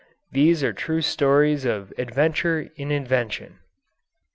These are true stories of adventure in invention.